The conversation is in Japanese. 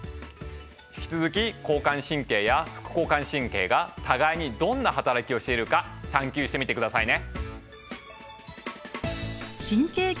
引き続き交感神経や副交感神経が互いにどんなはたらきをしているか探究してみてくださいね。